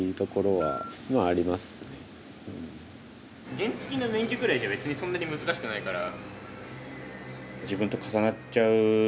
原付の免許くらいじゃ別にそんなに難しくないから。